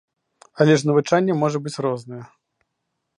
Але ж навучанне можа быць рознае.